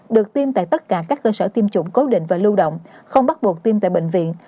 được tiêm tại tất cả các cơ sở tiêm chủng cố định và lưu động không bắt buộc tiêm tại bệnh viện